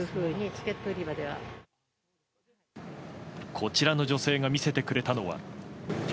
こちらの女性が見せてくれたのは。